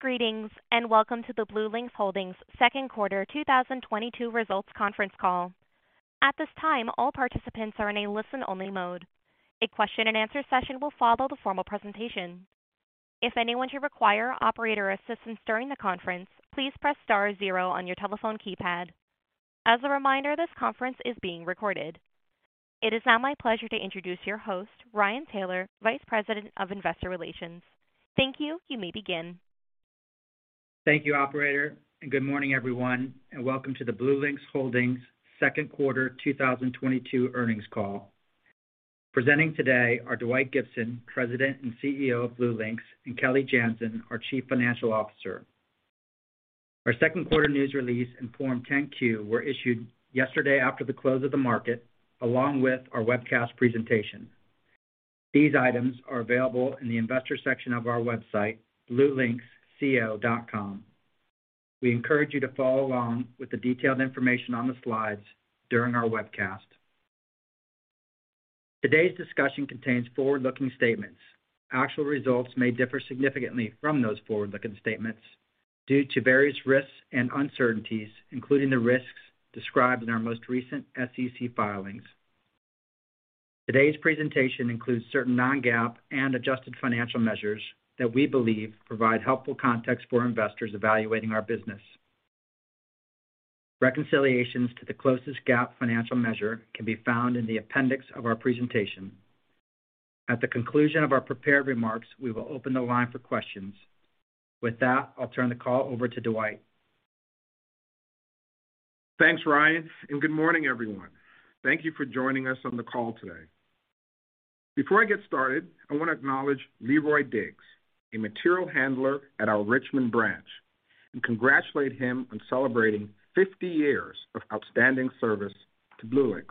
Greetings, and welcome to the BlueLinx Holdings second quarter 2022 results conference call. At this time, all participants are in a listen-only mode. A question and answer session will follow the formal presentation. If anyone should require operator assistance during the conference, please press star zero on your telephone keypad. As a reminder, this conference is being recorded. It is now my pleasure to introduce your host, Ryan Taylor, Vice President of Investor Relations. Thank you. You may begin. Thank you, operator, and good morning, everyone, and welcome to the BlueLinx Holdings second quarter 2022 earnings call. Presenting today are Dwight Gibson, President and CEO of BlueLinx, and Kelly Janzen, our Chief Financial Officer. Our second quarter news release and Form 10-Q were issued yesterday after the close of the market, along with our webcast presentation. These items are available in the investor section of our website, bluelinxco.com. We encourage you to follow along with the detailed information on the slides during our webcast. Today's discussion contains forward-looking statements. Actual results may differ significantly from those forward-looking statements due to various risks and uncertainties, including the risks described in our most recent SEC filings. Today's presentation includes certain non-GAAP and adjusted financial measures that we believe provide helpful context for investors evaluating our business. Reconciliations to the closest GAAP financial measure can be found in the appendix of our presentation. At the conclusion of our prepared remarks, we will open the line for questions. With that, I'll turn the call over to Dwight. Thanks, Ryan, and good morning, everyone. Thank you for joining us on the call today. Before I get started, I wanna acknowledge Leroy Diggs, a Material Handler at our Richmond branch, and congratulate him on celebrating 50 years of outstanding service to BlueLinx.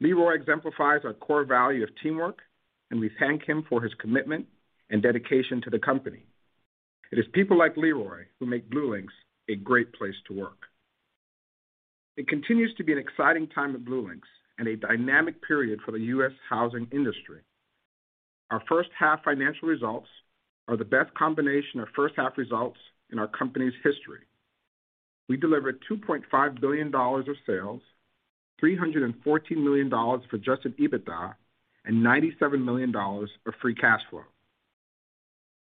Leroy exemplifies our core value of teamwork, and we thank him for his commitment and dedication to the company. It is people like Leroy who make BlueLinx a great place to work. It continues to be an exciting time at BlueLinx and a dynamic period for the U.S. housing industry. Our first half financial results are the best combination of first half results in our company's history. We delivered $2.5 billion of sales, $314 million for Adjusted EBITDA, and $97 million of free cash flow.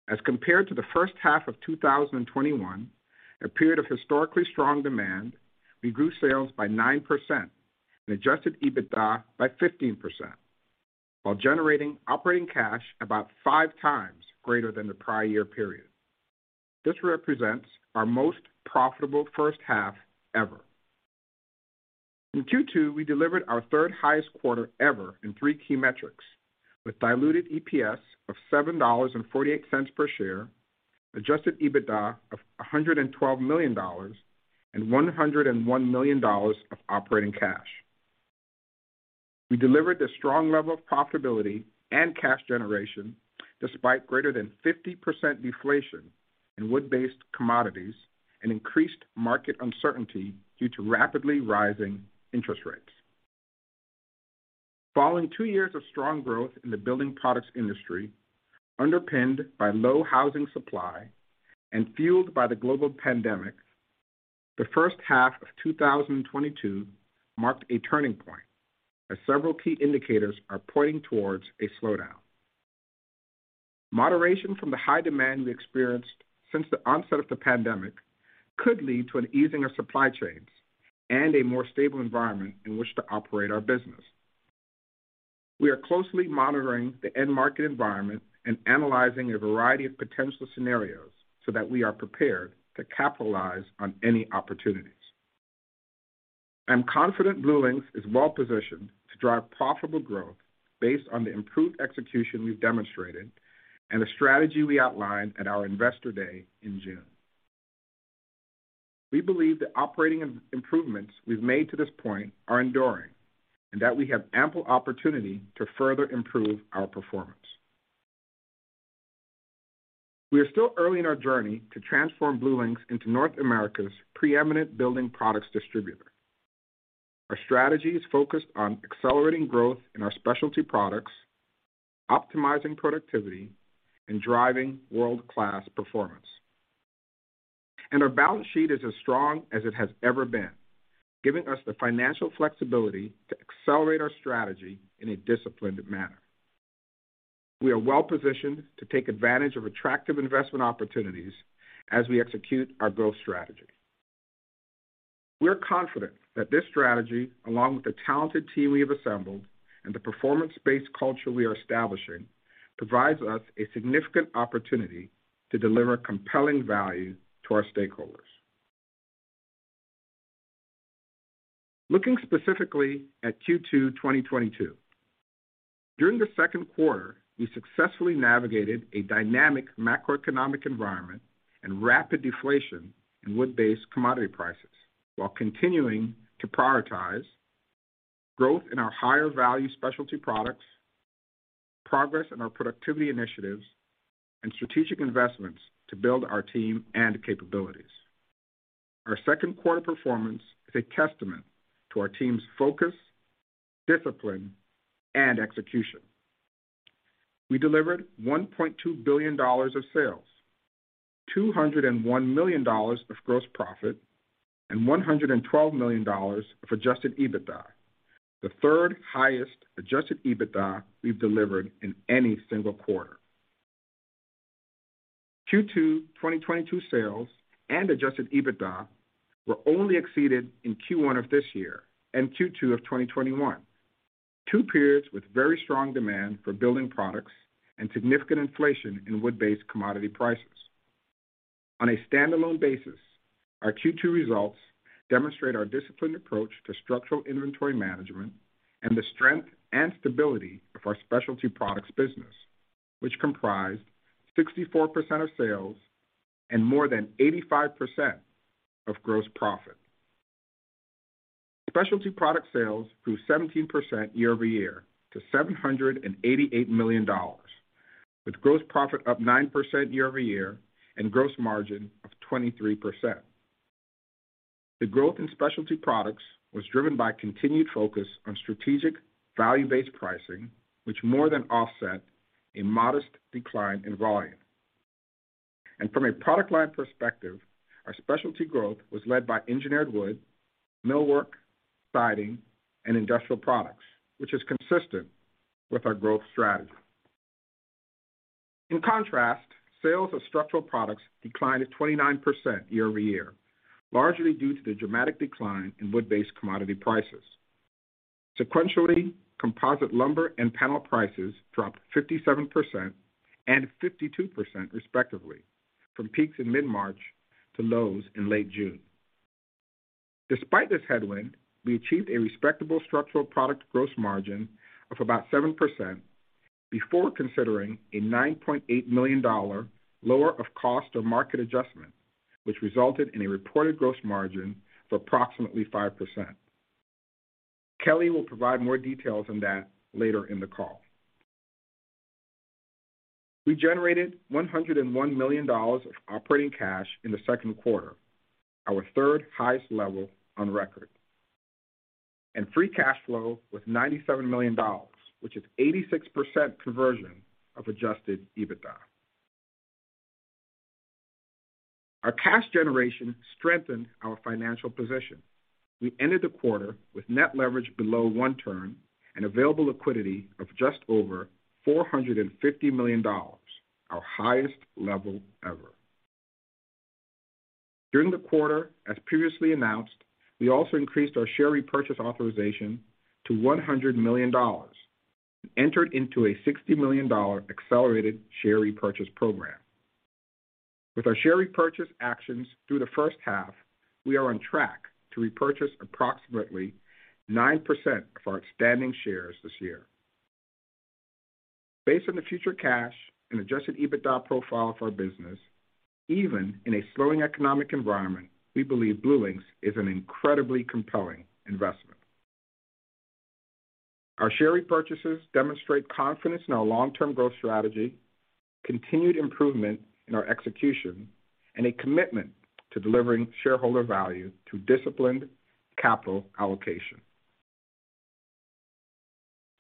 As compared to the first half of 2021, a period of historically strong demand, we grew sales by 9% and Adjusted EBITDA by 15% while generating operating cash about five times greater than the prior year period. This represents our most profitable first half ever. In Q2, we delivered our third-highest quarter ever in three key metrics with Diluted EPS of $7.48 per share, Adjusted EBITDA of $112 million, and $101 million of operating cash. We delivered a strong level of profitability and cash generation despite greater than 50% deflation in wood-based commodities and increased market uncertainty due to rapidly rising interest rates. Following two years of strong growth in the building products industry, underpinned by low housing supply and fueled by the global pandemic, the first half of 2022 marked a turning point, as several key indicators are pointing towards a slowdown. Moderation from the high demand we experienced since the onset of the pandemic could lead to an easing of supply chains and a more stable environment in which to operate our business. We are closely monitoring the end market environment and analyzing a variety of potential scenarios so that we are prepared to capitalize on any opportunities. I'm confident BlueLinx is well-positioned to drive profitable growth based on the improved execution we've demonstrated and the strategy we outlined at our Investor Day in June. We believe the operating improvements we've made to this point are enduring and that we have ample opportunity to further improve our performance. We are still early in our journey to transform BlueLinx into North America's preeminent building products distributor. Our strategy is focused on accelerating growth in our specialty products, optimizing productivity, and driving world-class performance. Our balance sheet is as strong as it has ever been, giving us the financial flexibility to accelerate our strategy in a disciplined manner. We are well-positioned to take advantage of attractive investment opportunities as we execute our growth strategy. We're confident that this strategy, along with the talented team we have assembled and the performance-based culture we are establishing, provides us a significant opportunity to deliver compelling value to our stakeholders. Looking specifically at Q2, 2022. During the second quarter, we successfully navigated a dynamic macroeconomic environment and rapid deflation in wood-based commodity prices while continuing to prioritize growth in our higher-value specialty products, progress in our productivity initiatives, and strategic investments to build our team and capabilities. Our second quarter performance is a testament to our team's focus, discipline, and execution. We delivered $1.2 billion of sales, $201 million of gross profit, and $112 million of Adjusted EBITDA, the third-highest Adjusted EBITDA we've delivered in any single quarter. Q2 2022 sales and Adjusted EBITDA were only exceeded in Q1 of this year and Q2 of 2021. Two periods with very strong demand for building products and significant inflation in wood-based commodity prices. On a standalone basis, our Q2 results demonstrate our disciplined approach to structural inventory management and the strength and stability of our specialty products business, which comprised 64% of sales and more than 85% of gross profit. Specialty product sales grew 17% year-over-year to $788 million, with gross profit up 9% year-over-year and gross margin of 23%. The growth in specialty products was driven by continued focus on strategic value-based pricing, which more than offset a modest decline in volume. From a product line perspective, our specialty growth was led by engineered wood, millwork, siding, and industrial products, which is consistent with our growth strategy. In contrast, sales of structural products declined 29% year-over-year, largely due to the dramatic decline in wood-based commodity prices. Sequentially, composite lumber and panel prices dropped 57% and 52% respectively from peaks in mid-March to lows in late June. Despite this headwind, we achieved a respectable structural product gross margin of about 7% before considering a $9.8 million lower of cost or market adjustment, which resulted in a reported gross margin of approximately 5%. Kelly will provide more details on that later in the call. We generated $101 million of operating cash in the second quarter, our third-highest level on record. Free cash flow was $97 million, which is 86% conversion of Adjusted EBITDA. Our cash generation strengthened our financial position. We ended the quarter with net leverage below one turn and available liquidity of just over $450 million, our highest level ever. During the quarter, as previously announced, we also increased our share repurchase authorization to $100 million and entered into a $60 million accelerated share repurchase program. With our share repurchase actions through the first half, we are on track to repurchase approximately 9% of our outstanding shares this year. Based on the future cash and Adjusted EBITDA profile of our business, even in a slowing economic environment, we believe BlueLinx is an incredibly compelling investment. Our share repurchases demonstrate confidence in our long-term growth strategy, continued improvement in our execution, and a commitment to delivering shareholder value through disciplined capital allocation.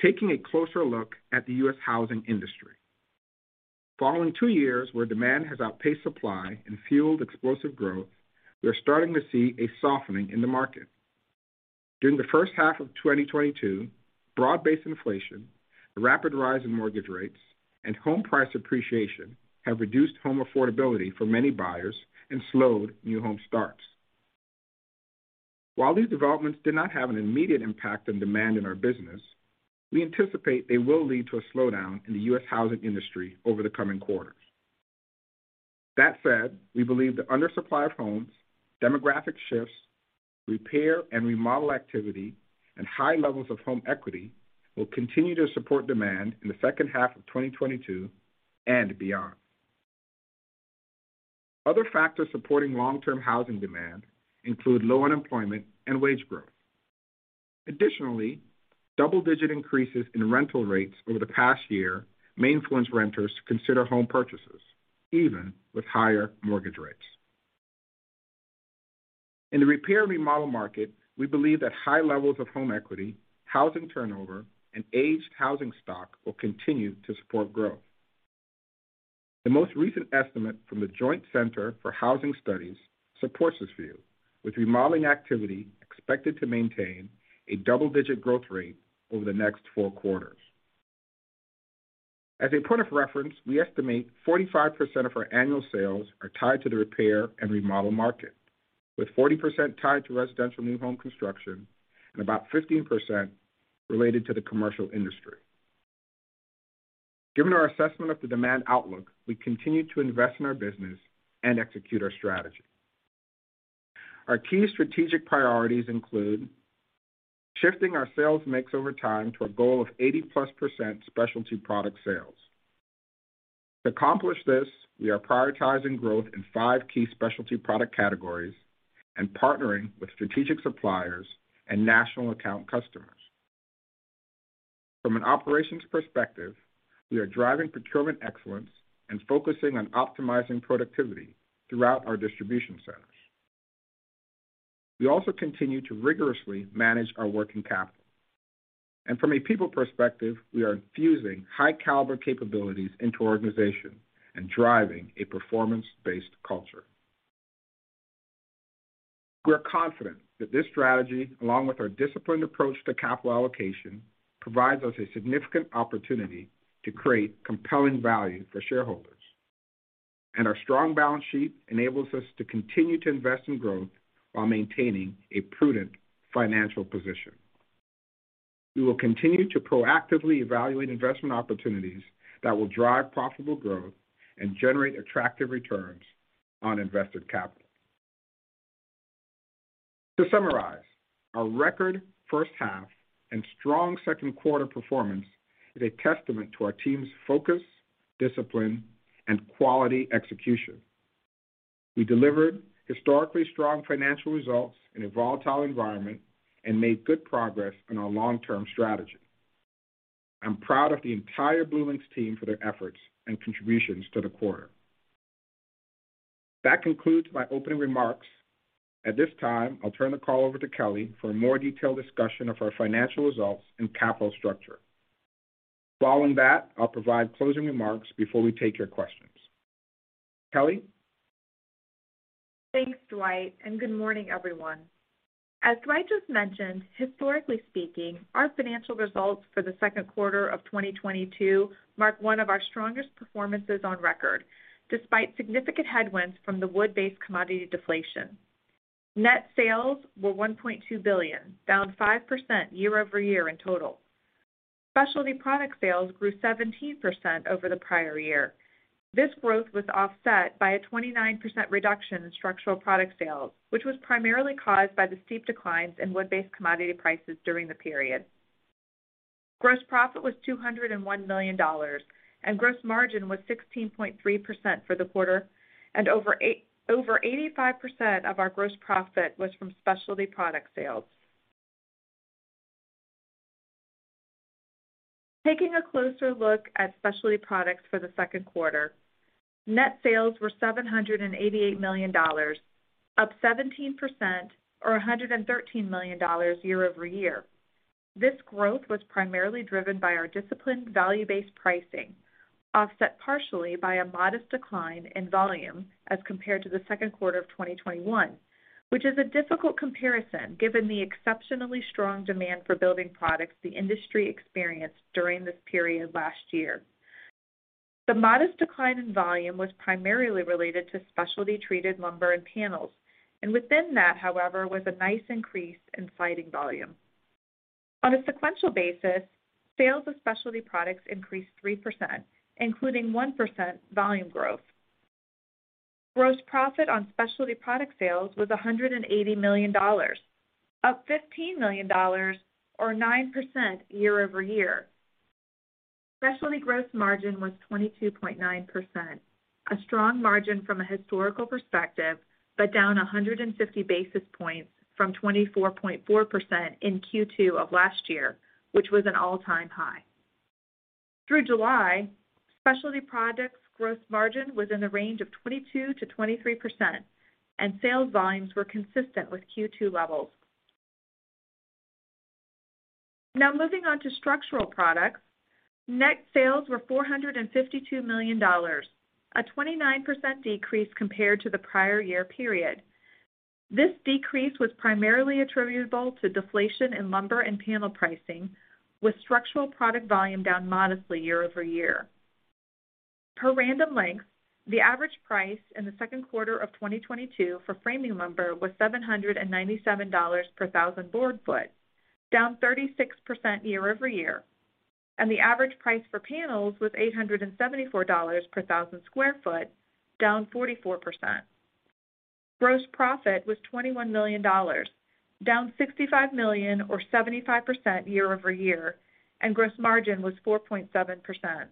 Taking a closer look at the U.S. housing industry. Following two years where demand has outpaced supply and fueled explosive growth, we are starting to see a softening in the market. During the first half of 2022, broad-based inflation, a rapid rise in mortgage rates, and home price appreciation have reduced home affordability for many buyers and slowed new home starts. While these developments did not have an immediate impact on demand in our business, we anticipate they will lead to a slowdown in the U.S. housing industry over the coming quarters. That said, we believe the undersupply of homes, demographic shifts, repair and remodel activity, and high levels of home equity will continue to support demand in the second half of 2022 and beyond. Other factors supporting long-term housing demand include low unemployment and wage growth. Additionally, double-digit increases in rental rates over the past year may influence renters to consider home purchases, even with higher mortgage rates. In the repair and remodel market, we believe that high levels of home equity, housing turnover, and aged housing stock will continue to support growth. The most recent estimate from the Joint Center for Housing Studies supports this view, with remodeling activity expected to maintain a double-digit growth rate over the next four quarters. As a point of reference, we estimate 45% of our annual sales are tied to the repair and remodel market, with 40% tied to residential new home construction and about 15% related to the commercial industry. Given our assessment of the demand outlook, we continue to invest in our business and execute our strategy. Our key strategic priorities include shifting our sales mix over time to a goal of 80%+ specialty product sales. To accomplish this, we are prioritizing growth in five key specialty product categories and partnering with strategic suppliers and national account customers. From an operations perspective, we are driving procurement excellence and focusing on optimizing productivity throughout our distribution centers. We also continue to rigorously manage our working capital. From a people perspective, we are infusing high-caliber capabilities into our organization and driving a performance-based culture. We are confident that this strategy, along with our disciplined approach to capital allocation, provides us a significant opportunity to create compelling value for shareholders. Our strong balance sheet enables us to continue to invest in growth while maintaining a prudent financial position. We will continue to proactively evaluate investment opportunities that will drive profitable growth and generate attractive returns on invested capital. To summarize, our record first half and strong second quarter performance is a testament to our team's focus, discipline, and quality execution. We delivered historically strong financial results in a volatile environment and made good progress on our long-term strategy. I'm proud of the entire BlueLinx team for their efforts and contributions to the quarter. That concludes my opening remarks. At this time, I'll turn the call over to Kelly for a more detailed discussion of our financial results and capital structure. Following that, I'll provide closing remarks before we take your questions. Kelly? Thanks, Dwight, and good morning, everyone. As Dwight just mentioned, historically speaking, our financial results for the second quarter of 2022 mark one of our strongest performances on record, despite significant headwinds from the wood-based commodity deflation. Net sales were $1.2 billion, down 5% year-over-year in total. Specialty product sales grew 17% over the prior year. This growth was offset by a 29% reduction in structural product sales, which was primarily caused by the steep declines in wood-based commodity prices during the period. Gross profit was $201 million, and gross margin was 16.3% for the quarter, and over 85% of our gross profit was from specialty product sales. Taking a closer look at specialty products for the second quarter, net sales were $788 million, up 17% or $113 million year-over-year. This growth was primarily driven by our disciplined value-based pricing, offset partially by a modest decline in volume as compared to the second quarter of 2021, which is a difficult comparison given the exceptionally strong demand for building products the industry experienced during this period last year. The modest decline in volume was primarily related to specialty-treated lumber and panels, and within that, however, was a nice increase in siding volume. On a sequential basis, sales of specialty products increased 3%, including 1% volume growth. Gross profit on specialty product sales was $180 million, up $15 million or 9% year-over-year. Specialty gross margin was 22.9%, a strong margin from a historical perspective, but down 150 basis points from 24.4% in Q2 of last year, which was an all-time high. Through July, specialty products gross margin was in the range of 22%-23%, and sales volumes were consistent with Q2 levels. Now, moving on to structural products, net sales were $452 million, a 29% decrease compared to the prior year period. This decrease was primarily attributable to deflation in lumber and panel pricing, with structural product volume down modestly year-over-year. Per Random Lengths, the average price in the second quarter of 2022 for framing lumber was $797 per 1,000 board feet, down 36% year-over-year, and the average price for panels was $874 per 1,000 sq ft, down 44%. Gross profit was $21 million, down $65 million or 75% year-over-year, and gross margin was 4.7%.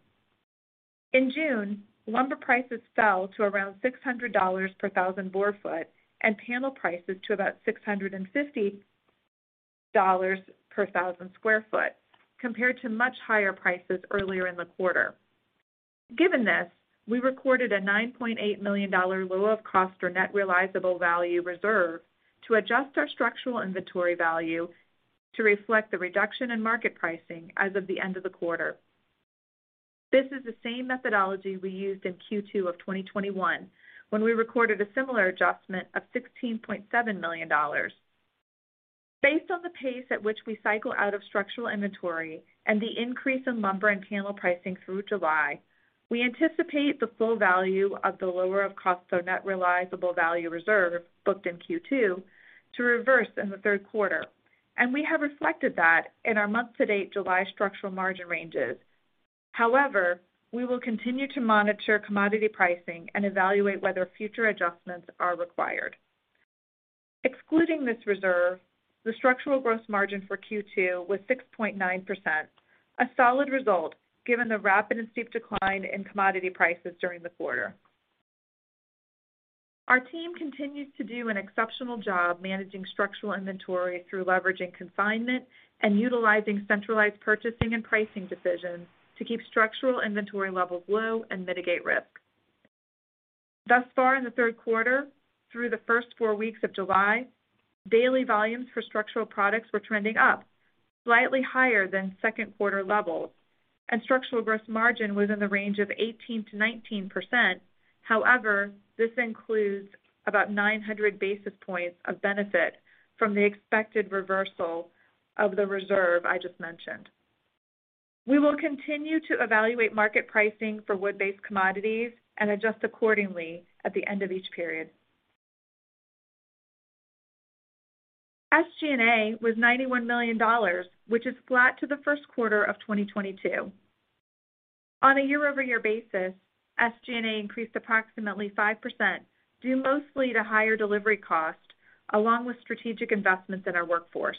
In June, lumber prices fell to around $600 per 1,000 board feet and panel prices to about $650 per 1,000 sq ft compared to much higher prices earlier in the quarter. Given this, we recorded a $9.8 million lower of cost or net realizable value reserve to adjust our structural inventory value to reflect the reduction in market pricing as of the end of the quarter. This is the same methodology we used in Q2 of 2021 when we recorded a similar adjustment of $16.7 million. Based on the pace at which we cycle out of structural inventory and the increase in lumber and panel pricing through July, we anticipate the full value of the lower of cost or net realizable value reserve booked in Q2 to reverse in the third quarter, and we have reflected that in our month-to-date July structural margin ranges. However, we will continue to monitor commodity pricing and evaluate whether future adjustments are required. Excluding this reserve, the structural gross margin for Q2 was 6.9%, a solid result given the rapid and steep decline in commodity prices during the quarter. Our team continues to do an exceptional job managing structural inventory through leveraging consignment and utilizing centralized purchasing and pricing decisions to keep structural inventory levels low and mitigate risk. Thus far in the third quarter, through the first four weeks of July, daily volumes for structural products were trending up, slightly higher than second quarter levels, and structural gross margin was in the range of 18%-19%. However, this includes about 900 basis points of benefit from the expected reversal of the reserve I just mentioned. We will continue to evaluate market pricing for wood-based commodities and adjust accordingly at the end of each period. SG&A was $91 million, which is flat to the first quarter of 2022. On a year-over-year basis, SG&A increased approximately 5%, due mostly to higher delivery costs along with strategic investments in our workforce.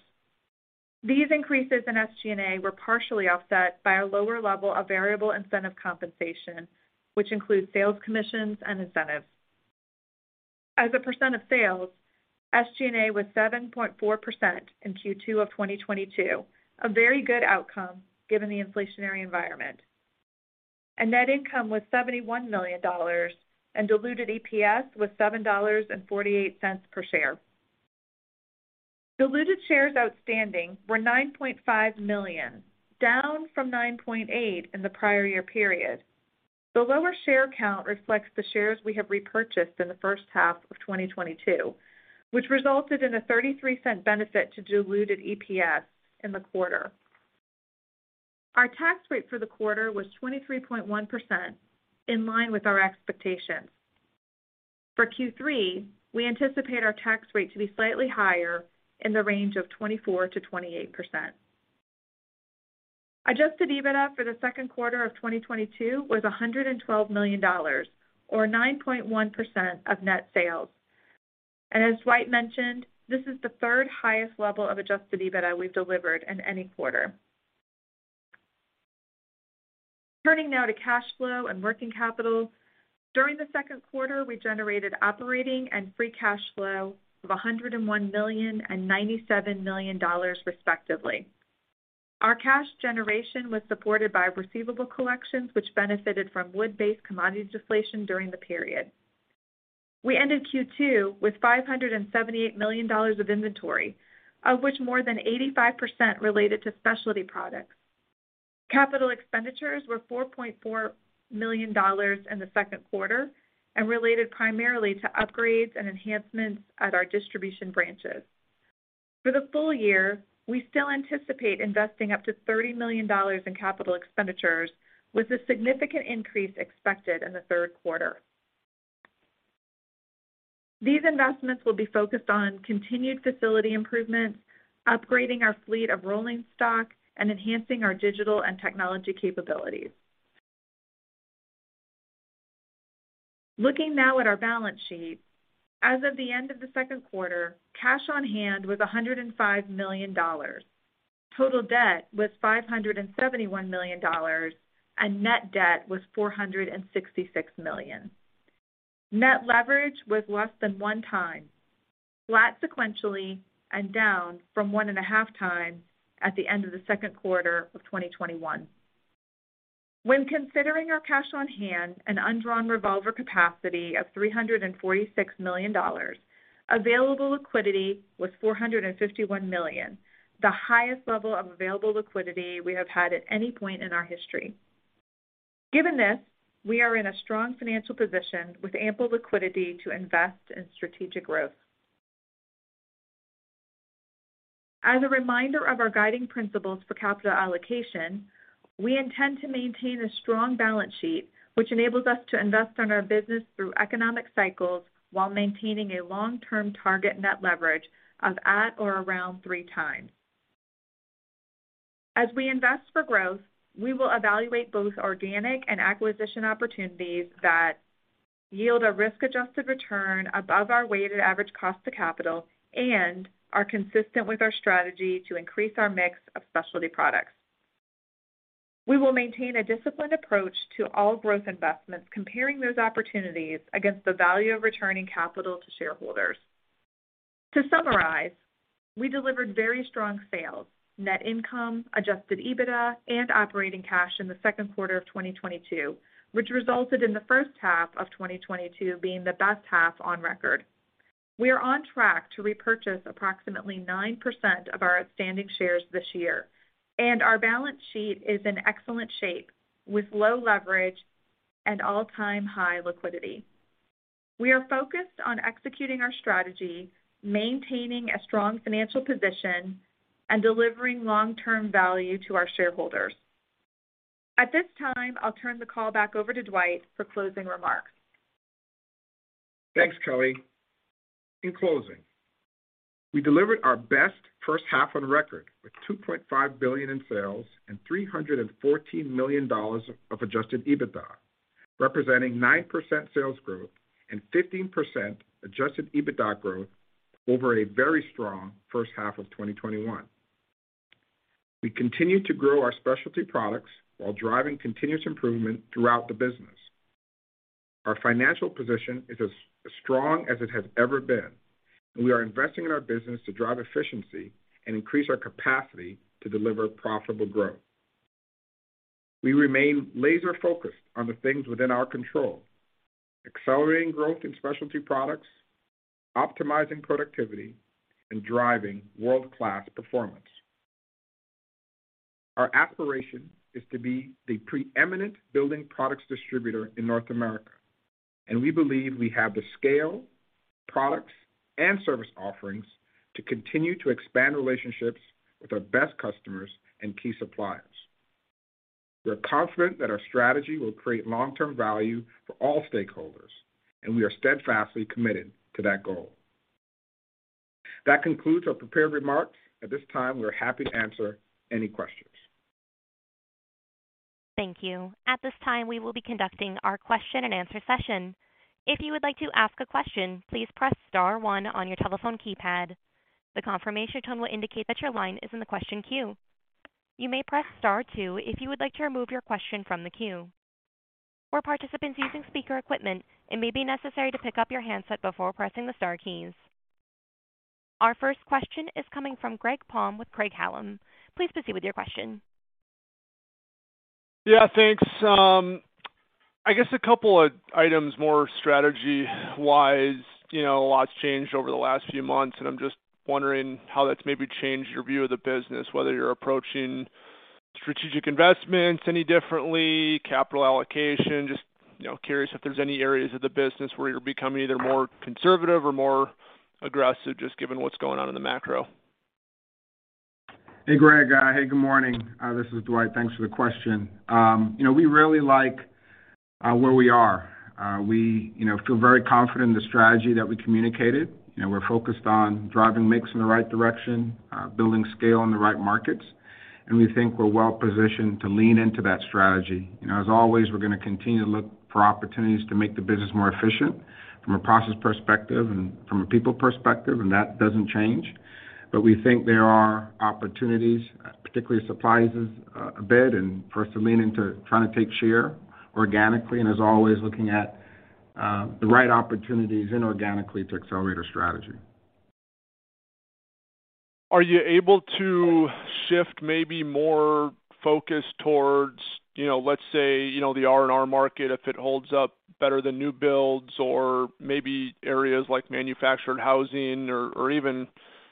These increases in SG&A were partially offset by a lower level of variable incentive compensation, which includes sales commissions and incentives. As a percent of sales, SG&A was 7.4% in Q2 of 2022, a very good outcome given the inflationary environment. Net income was $71 million, and diluted EPS was $7.48 per share. Diluted shares outstanding were 9.5 million, down from 9.8 in the prior year period. The lower share count reflects the shares we have repurchased in the first half of 2022, which resulted in a $0.33 benefit to diluted EPS in the quarter. Our tax rate for the quarter was 23.1%, in line with our expectations. For Q3, we anticipate our tax rate to be slightly higher in the range of 24%-28%. Adjusted EBITDA for the second quarter of 2022 was $112 million or 9.1% of net sales. As Dwight mentioned, this is the third-highest level of adjusted EBITDA we've delivered in any quarter. Turning now to cash flow and working capital. During the second quarter, we generated operating and free cash flow of $101 million and $97 million, respectively. Our cash generation was supported by receivable collections, which benefited from wood-based commodity deflation during the period. We ended Q2 with $578 million of inventory, of which more than 85% related to specialty products. Capital expenditures were $4.4 million in the second quarter and related primarily to upgrades and enhancements at our distribution branches. For the full year, we still anticipate investing up to $30 million in capital expenditures, with a significant increase expected in the third quarter. These investments will be focused on continued facility improvements, upgrading our fleet of rolling stock, and enhancing our digital and technology capabilities. Looking now at our balance sheet. As of the end of the second quarter, cash on hand was $105 million. Total debt was $571 million, and net debt was $466 million. Net leverage was less than 1x, flat sequentially and down from 1.5x at the end of the second quarter of 2021. When considering our cash on hand and undrawn revolver capacity of $346 million, available liquidity was $451 million, the highest level of available liquidity we have had at any point in our history. Given this, we are in a strong financial position with ample liquidity to invest in strategic growth. As a reminder of our guiding principles for capital allocation, we intend to maintain a strong balance sheet, which enables us to invest in our business through economic cycles while maintaining a long-term target net leverage of at or around 3x. As we invest for growth, we will evaluate both organic and acquisition opportunities that yield a risk-adjusted return above our weighted average cost of capital and are consistent with our strategy to increase our mix of specialty products. We will maintain a disciplined approach to all growth investments, comparing those opportunities against the value of returning capital to shareholders. To summarize, we delivered very strong sales, net income, Adjusted EBITDA, and operating cash in the second quarter of 2022, which resulted in the first half of 2022 being the best half on record. We are on track to repurchase approximately 9% of our outstanding shares this year, and our balance sheet is in excellent shape with low leverage and all-time high liquidity. We are focused on executing our strategy, maintaining a strong financial position, and delivering long-term value to our shareholders. At this time, I'll turn the call back over to Dwight for closing remarks. Thanks, Kelly. In closing, we delivered our best first half on record with $2.5 billion in sales and $314 million of Adjusted EBITDA, representing 9% sales growth and 15% Adjusted EBITDA growth over a very strong first half of 2021. We continue to grow our specialty products while driving continuous improvement throughout the business. Our financial position is as strong as it has ever been, and we are investing in our business to drive efficiency and increase our capacity to deliver profitable growth. We remain laser-focused on the things within our control, accelerating growth in specialty products, optimizing productivity, and driving world-class performance. Our aspiration is to be the preeminent building products distributor in North America, and we believe we have the scale, products, and service offerings to continue to expand relationships with our best customers and key suppliers. We're confident that our strategy will create long-term value for all stakeholders, and we are steadfastly committed to that goal. That concludes our prepared remarks. At this time, we are happy to answer any questions. Thank you. At this time, we will be conducting our question-and-answer session. If you would like to ask a question, please press star one on your telephone keypad. The confirmation tone will indicate that your line is in the question queue. You may press star two if you would like to remove your question from the queue. For participants using speaker equipment, it may be necessary to pick up your handset before pressing the star keys. Our first question is coming from Greg Palm with Craig-Hallum. Please proceed with your question. Yeah, thanks. I guess a couple of items more strategy-wise, you know, a lot's changed over the last few months, and I'm just wondering how that's maybe changed your view of the business, whether you're approaching strategic investments any differently, capital allocation. Just, you know, curious if there's any areas of the business where you're becoming either more conservative or more aggressive, just given what's going on in the macro. Hey, Greg. Hey, good morning. This is Dwight. Thanks for the question. You know, we really like where we are. We, you know, feel very confident in the strategy that we communicated. You know, we're focused on driving mix in the right direction, building scale in the right markets, and we think we're well-positioned to lean into that strategy. You know, as always, we're gonna continue to look for opportunities to make the business more efficient from a process perspective and from a people perspective, and that doesn't change. We think there are opportunities, particularly supplies a bit, and for us to lean into trying to take share organically and as always looking at the right opportunities inorganically to accelerate our strategy. Are you able to shift maybe more focus towards, you know, let's say, you know, the R&R market if it holds up better than new builds or maybe areas like manufactured housing or even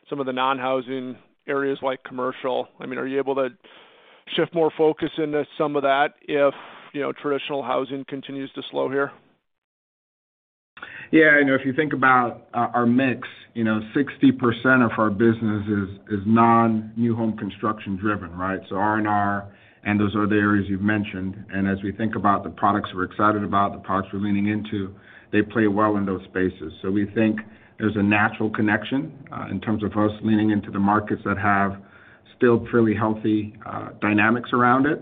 some of the non-housing areas like commercial? I mean, are you able to shift more focus into some of that if, you know, traditional housing continues to slow here? Yeah, you know, if you think about our mix, you know, 60% of our business is non-new home construction driven, right? R&R and those other areas you've mentioned. As we think about the products we're excited about, the products we're leaning into, they play well in those spaces. We think there's a natural connection in terms of us leaning into the markets that have still fairly healthy dynamics around it,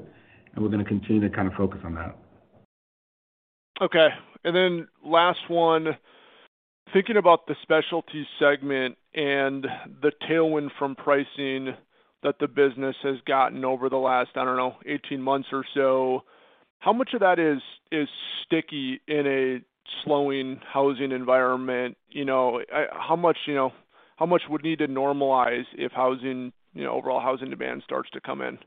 and we're gonna continue to kind of focus on that. Okay. Last one. Thinking about the specialty segment and the tailwind from pricing that the business has gotten over the last, I don't know, 18 months or so, how much of that is sticky in a slowing housing environment? You know, how much would need to normalize if housing, you know, overall housing demand starts to come in?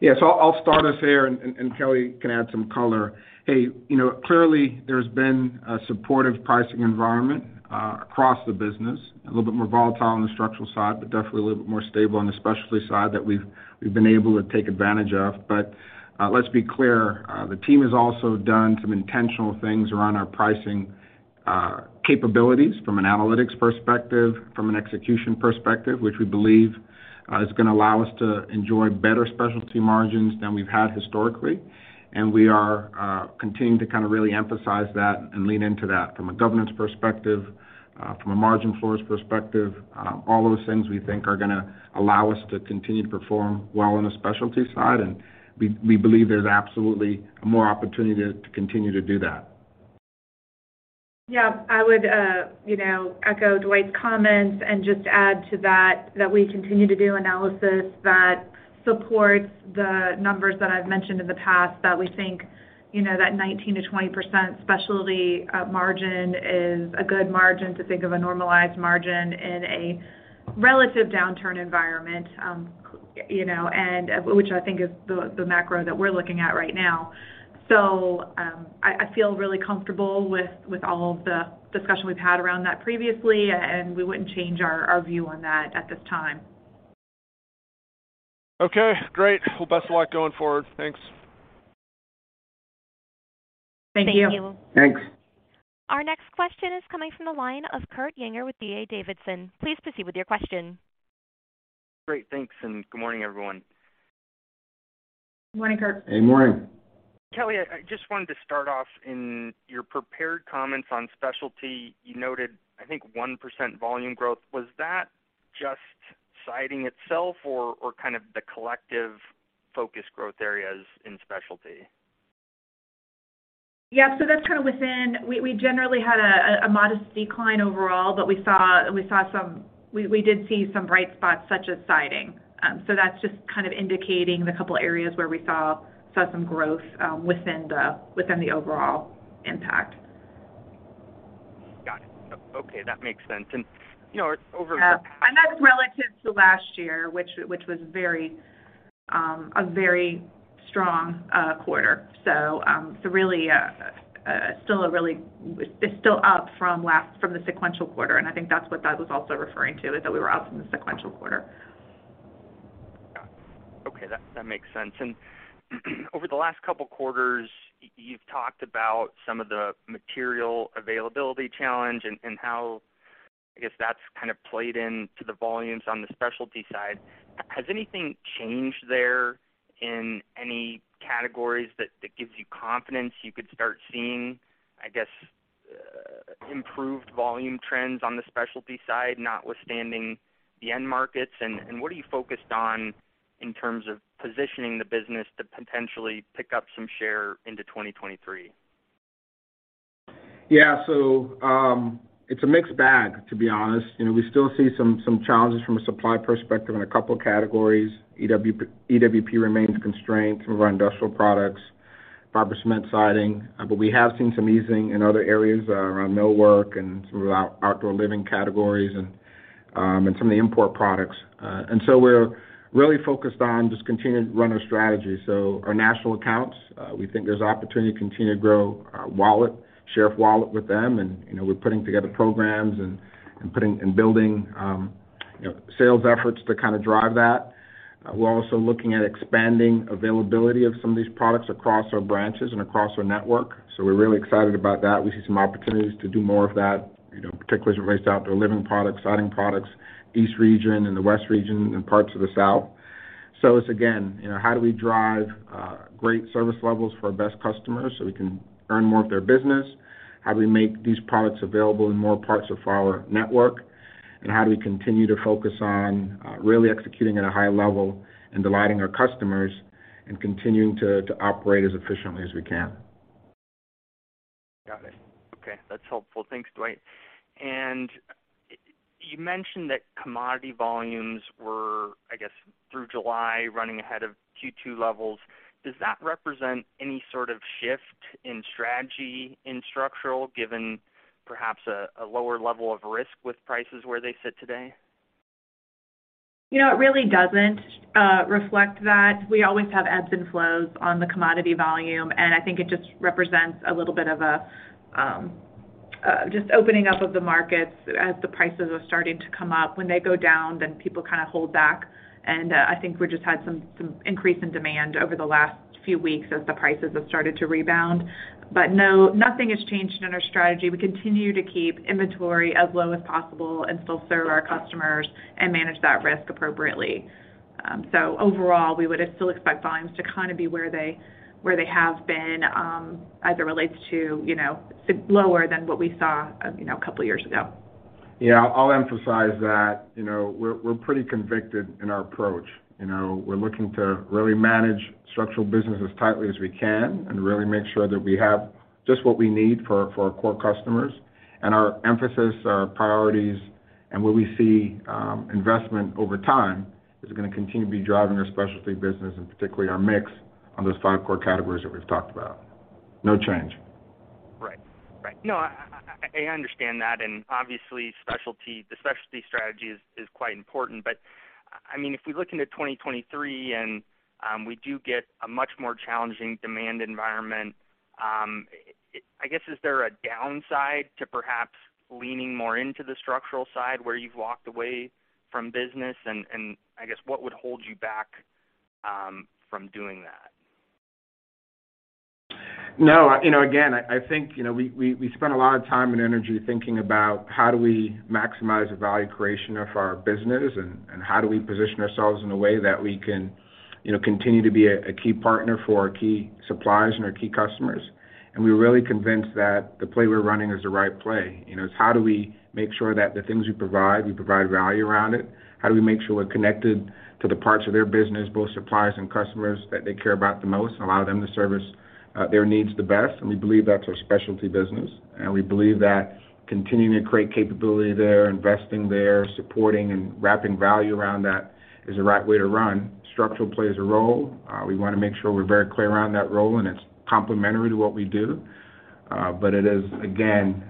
Yeah. I'll start us here and Kelly can add some color. Hey, you know, clearly there's been a supportive pricing environment across the business, a little bit more volatile on the structural side, but definitely a little bit more stable on the specialty side that we've been able to take advantage of. Let's be clear, the team has also done some intentional things around our pricing capabilities from an analytics perspective, from an execution perspective, which we believe is gonna allow us to enjoy better specialty margins than we've had historically. We are continuing to kind of really emphasize that and lean into that from a governance perspective, from a margin floors perspective. All those things we think are gonna allow us to continue to perform well on the specialty side, and we believe there's absolutely more opportunity to continue to do that. Yeah. I would, you know, echo Dwight's comments and just add to that we continue to do analysis that supports the numbers that I've mentioned in the past, that we think, you know, that 19%-20% specialty margin is a good margin to think of a normalized margin in a relative downturn environment, you know, and which I think is the macro that we're looking at right now. So, I feel really comfortable with all of the discussion we've had around that previously, and we wouldn't change our view on that at this time. Okay, great. Well, best of luck going forward. Thanks. Thank you. Thanks. Our next question is coming from the line of Kurt Yinger with D.A. Davidson. Please proceed with your question. Great. Thanks, and good morning, everyone. Good morning, Kurt. Good morning. Kelly, I just wanted to start off in your prepared comments on specialty. You noted, I think, 1% volume growth. Was that just siding itself or kind of the collective focused growth areas in specialty? Yeah. That's kind of within, we generally had a modest decline overall, but we did see some bright spots such as siding. That's just kind of indicating the couple areas where we saw some growth within the overall impact. Got it. Okay, that makes sense. You know, over- That's relative to last year, which was a very strong quarter. It's still up from the sequential quarter, and I think that's what Doug was also referring to, is that we were up from the sequential quarter. Got it. Okay. That makes sense. Over the last couple quarters, you've talked about some of the material availability challenge and how, I guess, that's kind of played into the volumes on the specialty side. Has anything changed there in any categories that gives you confidence you could start seeing, I guess, improved volume trends on the specialty side, notwithstanding the end markets? What are you focused on in terms of positioning the business to potentially pick up some share into 2023? Yeah. It's a mixed bag, to be honest. You know, we still see some challenges from a supply perspective in a couple categories. EWP remains constrained, some of our industrial products, fiber cement siding, but we have seen some easing in other areas around millwork and some of our Outdoor Living categories and some of the import products. We're really focused on just continuing to run our strategy. Our national accounts, we think there's opportunity to continue to grow our wallet, share of wallet with them, and, you know, we're putting together programs and building sales efforts to kind of drive that. We're also looking at expanding availability of some of these products across our branches and across our network, so we're really excited about that. We see some opportunities to do more of that, you know, particularly as it relates to Outdoor Living products, Siding products, East Region and the West Region and parts of the South. It's again, you know, how do we drive great service levels for our best customers so we can earn more of their business? How do we make these products available in more parts of our network? How do we continue to focus on really executing at a high level and delighting our customers and continuing to operate as efficiently as we can? Got it. Okay. That's helpful. Thanks, Dwight. You mentioned that commodity volumes were, I guess, through July, running ahead of Q2 levels. Does that represent any sort of shift in strategy or structural, given perhaps a lower level of risk with prices where they sit today? You know, it really doesn't reflect that. We always have ebbs and flows on the commodity volume, and I think it just represents a little bit of a just opening up of the markets as the prices are starting to come up. When they go down, then people kind of hold back. I think we just had some increase in demand over the last few weeks as the prices have started to rebound. No, nothing has changed in our strategy. We continue to keep inventory as low as possible and still serve our customers and manage that risk appropriately. Overall, we would still expect volumes to kind of be where they have been as it relates to, you know, lower than what we saw, you know, a couple years ago. Yeah. I'll emphasize that, you know, we're pretty convicted in our approach. You know, we're looking to really manage structural business as tightly as we can and really make sure that we have just what we need for our core customers. Our emphasis, our priorities, and where we see investment over time is gonna continue to be driving our specialty business and particularly our mix on those five core categories that we've talked about. No change. Right. No, I understand that, and obviously specialty, the specialty strategy is quite important. I mean, if we look into 2023 and we do get a much more challenging demand environment, I guess, is there a downside to perhaps leaning more into the structural side where you've walked away from business, and I guess, what would hold you back from doing that? No. You know, again, I think, you know, we spent a lot of time and energy thinking about how do we maximize the value creation of our business and how do we position ourselves in a way that we can, you know, continue to be a key partner for our key suppliers and our key customers. We're really convinced that the play we're running is the right play. You know, it's how do we make sure that the things we provide, we provide value around it? How do we make sure we're connected to the parts of their business, both suppliers and customers, that they care about the most and allow them to service their needs the best? We believe that's our specialty business, and we believe that continuing to create capability there, investing there, supporting and wrapping value around that is the right way to run. Structural plays a role. We wanna make sure we're very clear on that role, and it's complementary to what we do. It is, again,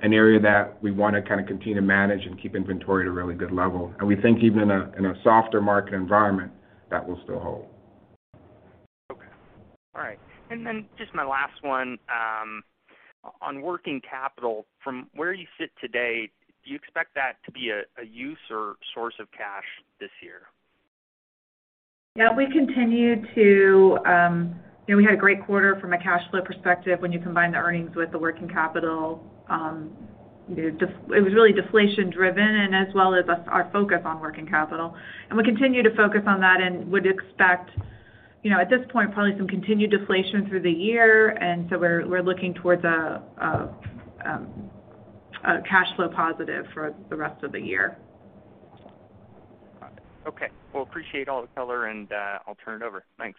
an area that we wanna kind of continue to manage and keep inventory at a really good level. We think even in a softer market environment, that will still hold. Okay. All right. Just my last one, on working capital, from where you sit today, do you expect that to be a use or source of cash this year? Yeah. We continue to. You know, we had a great quarter from a cash flow perspective when you combine the earnings with the working capital. You know, it was really deflation driven as well as our focus on working capital. We continue to focus on that and would expect, you know, at this point, probably some continued deflation through the year. We're looking towards a cash flow positive for the rest of the year. Well, appreciate all the color and, I'll turn it over. Thanks.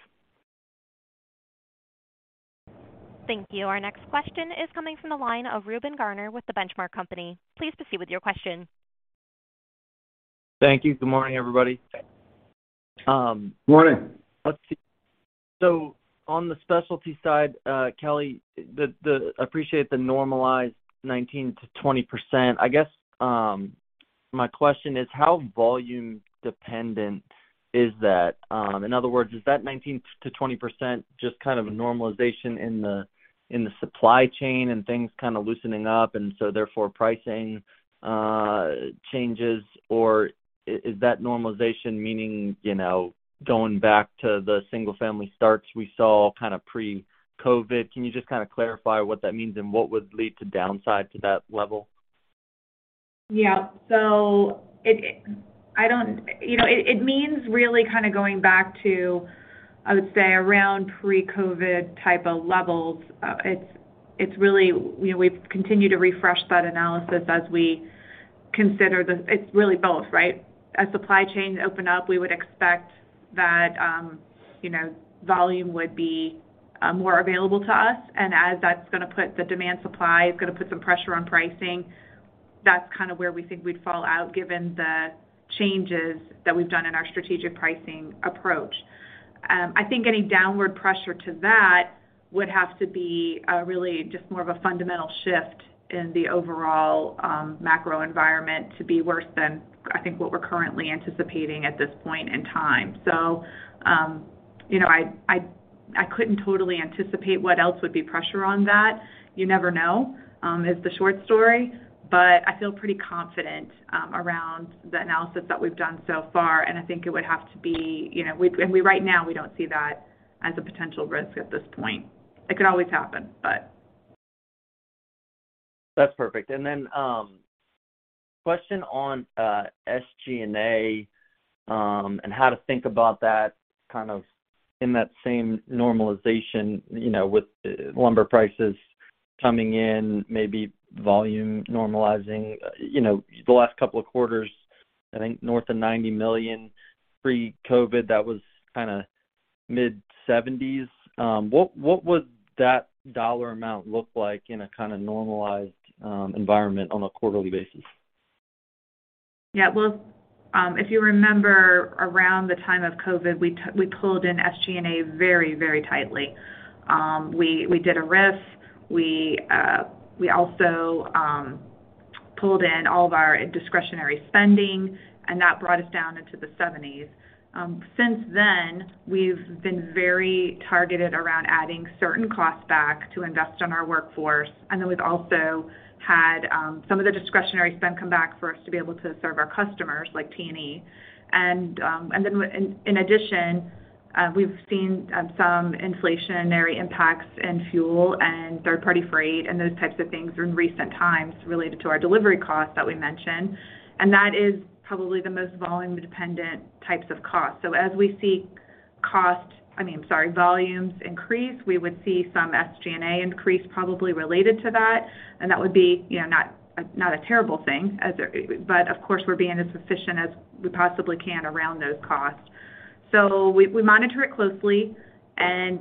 Thank you. Our next question is coming from the line of Reuben Garner with The Benchmark Company. Please proceed with your question. Thank you. Good morning, everybody. Morning. Let's see. On the specialty side, Kelly, appreciate the normalized 19%-20%. I guess my question is how volume dependent is that? In other words, is that 19%-20% just kind of a normalization in the supply chain and things kinda loosening up, and so therefore pricing changes? Or is that normalization meaning, you know, going back to the single-family starts we saw kinda pre-COVID? Can you just kinda clarify what that means and what would lead to downside to that level? Yeah. You know, it means really kinda going back to, I would say, around pre-COVID type of levels. You know, we've continued to refresh that analysis as we consider the. It's really both, right? As supply chains open up, we would expect that, you know, volume would be more available to us. As that's gonna put the demand-supply, it's gonna put some pressure on pricing. That's kind of where we think we'd fall out given the changes that we've done in our strategic pricing approach. I think any downward pressure to that would have to be really just more of a fundamental shift in the overall macro environment to be worse than I think what we're currently anticipating at this point in time. You know, I couldn't totally anticipate what else would be pressure on that. You never know is the short story. But I feel pretty confident around the analysis that we've done so far, and I think it would have to be, you know, right now, we don't see that as a potential risk at this point. It could always happen, but. That's perfect. Question on SG&A and how to think about that kind of in that same normalization, you know, with lumber prices coming in, maybe volume normalizing. You know, the last couple of quarters, I think north of $90 million. pre-COVID, that was kinda mid-$70s. What would that dollar amount look like in a kinda normalized environment on a quarterly basis? Yeah. Well, if you remember around the time of COVID, we pulled in SG&A very, very tightly. We did a RIF. We also pulled in all of our discretionary spending, and that brought us down into the seventies. Since then, we've been very targeted around adding certain costs back to invest in our workforce. Then we've also had some of the discretionary spend come back for us to be able to serve our customers like T&E. In addition, we've seen some inflationary impacts in fuel and third-party freight and those types of things in recent times related to our delivery costs that we mentioned. That is probably the most volume-dependent types of costs. As we see volumes increase, we would see some SG&A increase probably related to that, and that would be, you know, not a terrible thing. Of course, we're being as efficient as we possibly can around those costs. We monitor it closely.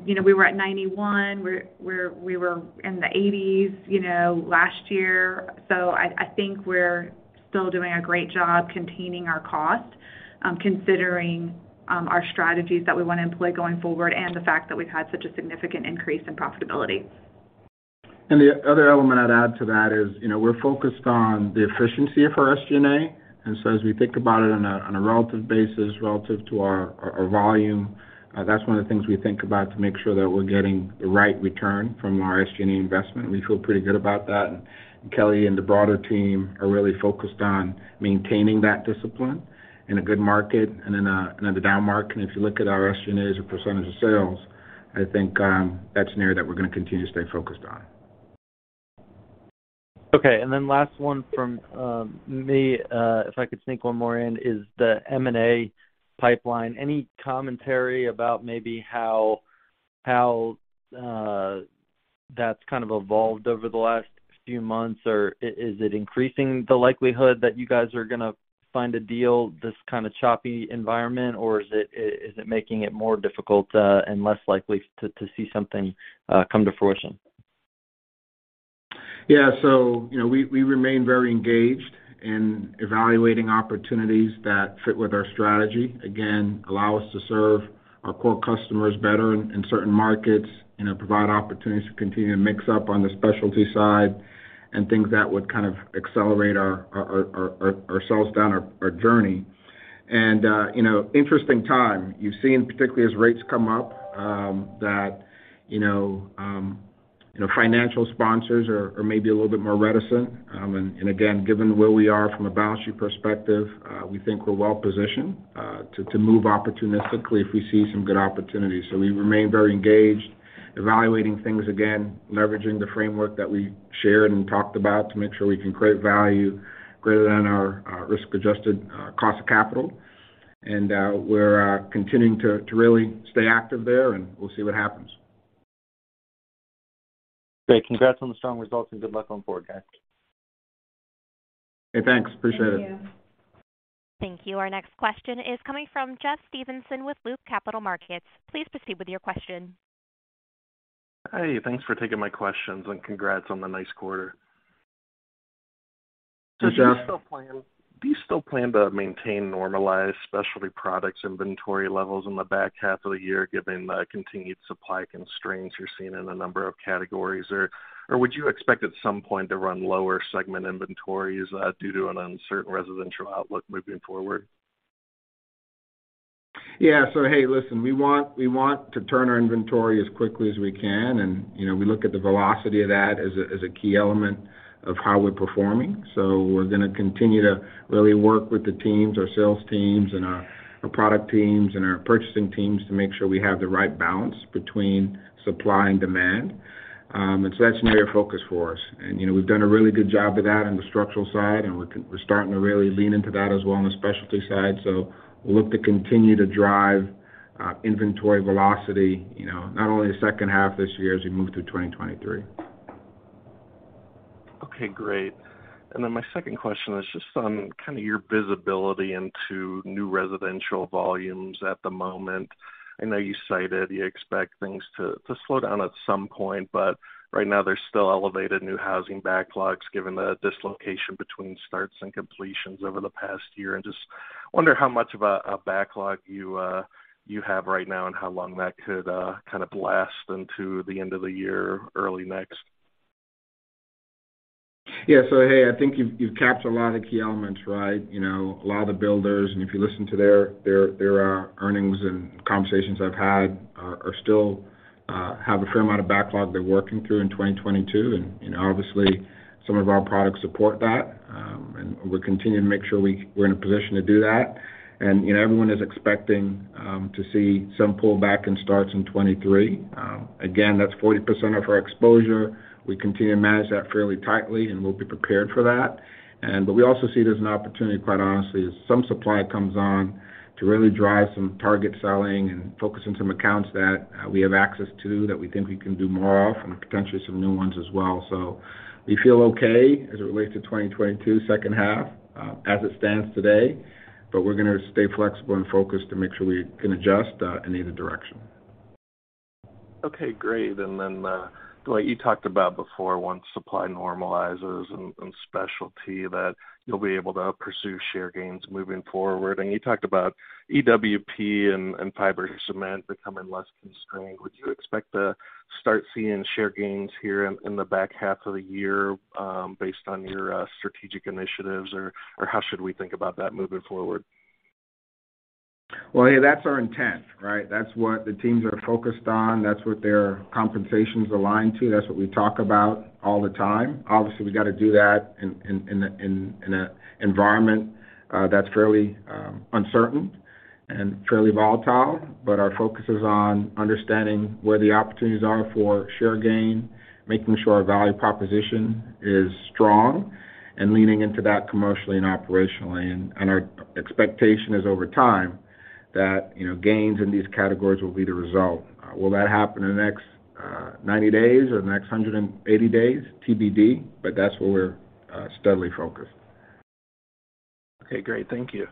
You know, we were at 91%. We were in the 80s%, you know, last year. I think we're still doing a great job containing our cost, considering our strategies that we wanna employ going forward and the fact that we've had such a significant increase in profitability. The other element I'd add to that is, you know, we're focused on the efficiency of our SG&A. As we think about it on a relative basis, relative to our volume, that's one of the things we think about to make sure that we're getting the right return from our SG&A investment. We feel pretty good about that. Kelly and the broader team are really focused on maintaining that discipline in a good market and in a down market. If you look at our SG&A as a percentage of sales, I think, that's an area that we're gonna continue to stay focused on. Okay. Last one from me, if I could sneak one more in is the M&A pipeline. Any commentary about maybe how that's kind of evolved over the last few months? Or is it increasing the likelihood that you guys are gonna find a deal this kind of choppy environment, or is it making it more difficult, and less likely to see something, come to fruition? You know, we remain very engaged in evaluating opportunities that fit with our strategy, again, allow us to serve our core customers better in certain markets, you know, provide opportunities to continue to mix up on the specialty side and things that would kind of accelerate our journey. You know, interesting time. You've seen, particularly as rates come up, that, you know, financial sponsors are maybe a little bit more reticent. Again, given where we are from a balance sheet perspective, we think we're well positioned to move opportunistically if we see some good opportunities. We remain very engaged, evaluating things, again, leveraging the framework that we shared and talked about to make sure we can create value greater than our risk-adjusted cost of capital. We're continuing to really stay active there, and we'll see what happens. Great. Congrats on the strong results and good luck on forecast. Hey, thanks. Appreciate it. Thank you. Thank you. Our next question is coming from Jeffrey Stevenson with Loop Capital Markets. Please proceed with your question. Hi. Thanks for taking my questions, and congrats on the nice quarter. Jeff- Do you still plan to maintain normalized specialty products inventory levels in the back half of the year given the continued supply constraints you're seeing in a number of categories? Or would you expect at some point to run lower segment inventories due to an uncertain residential outlook moving forward? Yeah. Hey, listen, we want to turn our inventory as quickly as we can and, you know, we look at the velocity of that as a key element of how we're performing. We're gonna continue to really work with the teams, our sales teams and our product teams and our purchasing teams to make sure we have the right balance between supply and demand. That's an area of focus for us. You know, we've done a really good job of that on the structural side, and we're starting to really lean into that as well on the specialty side. We'll look to continue to drive inventory velocity, you know, not only the second half of this year, as we move through 2023. Okay. Great. Then my second question is just on kinda your visibility into new residential volumes at the moment. I know you cited you expect things to slow down at some point, but right now there's still elevated new housing backlogs given the dislocation between starts and completions over the past year. Just wonder how much of a backlog you have right now and how long that could kind of last into the end of the year or early next. Yeah. Hey, I think you've captured a lot of the key elements, right? You know, a lot of the builders, and if you listen to their earnings and conversations I've had, are still have a fair amount of backlog they're working through in 2022. You know, obviously some of our products support that, and we're continuing to make sure we're in a position to do that. You know, everyone is expecting to see some pullback in starts in 2023. Again, that's 40% of our exposure. We continue to manage that fairly tightly, and we'll be prepared for that. We also see it as an opportunity, quite honestly, as some supply comes on to really drive some target selling and focus on some accounts that we have access to that we think we can do more of, and potentially some new ones as well. We feel okay as it relates to 2022 second half, as it stands today, but we're gonna stay flexible and focused to make sure we can adjust in either direction. Okay. Great. The way you talked about before, once supply normalizes in specialty that you'll be able to pursue share gains moving forward. You talked about EWP and fiber cement becoming less constrained. Would you expect to start seeing share gains here in the back half of the year, based on your strategic initiatives, or how should we think about that moving forward? Well, hey, that's our intent, right? That's what the teams are focused on. That's what their compensation's aligned to. That's what we talk about all the time. Obviously, we gotta do that in an environment that's fairly uncertain and fairly volatile. Our focus is on understanding where the opportunities are for share gain, making sure our value proposition is strong, and leaning into that commercially and operationally. Our expectation is over time that, you know, gains in these categories will be the result. Will that happen in the next 90 days or the next 180 days? TBD, but that's where we're steadily focused. Okay. Great. Thank you.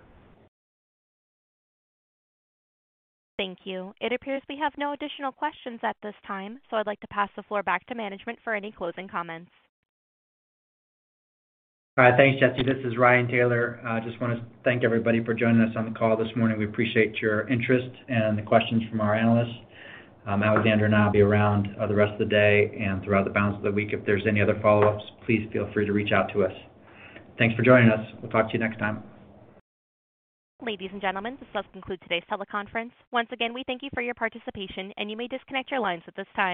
Thank you. It appears we have no additional questions at this time, so I'd like to pass the floor back to management for any closing comments. All right. Thanks, Jesse. This is Ryan Taylor. I just wanna thank everybody for joining us on the call this morning. We appreciate your interest and the questions from our analysts. Alexandra and I will be around, the rest of the day and throughout the balance of the week. If there's any other follow-ups, please feel free to reach out to us. Thanks for joining us. We'll talk to you next time. Ladies and gentlemen, this does conclude today's teleconference. Once again, we thank you for your participation, and you may disconnect your lines at this time.